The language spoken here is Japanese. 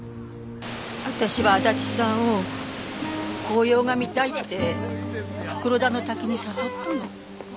私は足立さんを紅葉が見たいって袋田の滝に誘ったの。